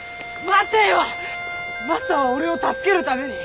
マサは俺を助けるために。